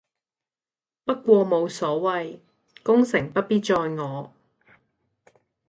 不過冇所謂，功成不必在我